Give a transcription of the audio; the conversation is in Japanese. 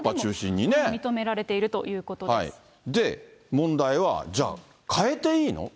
認められているということでで、問題は、じゃあ変えていいの？